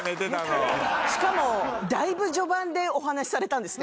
しかもだいぶ序盤でお話しされたんですね。